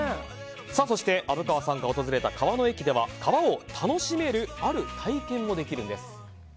そして、虻川さんが訪れた川の駅では川を楽しめるある体験もできるんです。